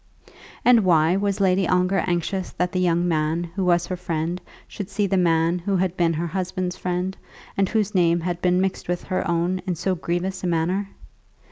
And why was Lady Ongar anxious that the young man who was her friend should see the man who had been her husband's friend, and whose name had been mixed with her own in so grievous a manner?